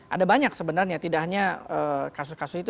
ada banyak sebenarnya tidak hanya kasus kasus itu